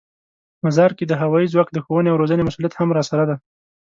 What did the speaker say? مزار کې د هوايي ځواک د ښوونې او روزنې مسوولیت هم راسره دی.